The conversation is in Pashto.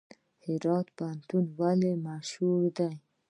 هرات پوهنتون ولې مشهور دی؟